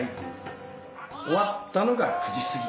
終わったのが９時過ぎ。